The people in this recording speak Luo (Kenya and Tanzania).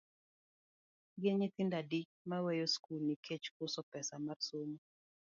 Gin nyithindo adi ma weyo skul nikech koso pesa mar somo?